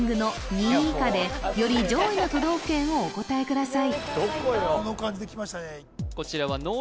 ２位以下でより上位の都道府県をお答えください